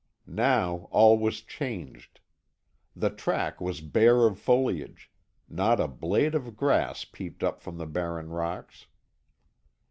Now all was changed. The track was bare of foliage; not a blade of grass peeped up from the barren rocks.